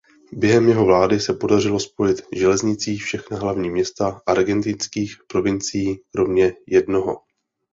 Během jeho vlády se podařilo spojit železnicí všechna hlavní města argentinských provincií kromě jednoho.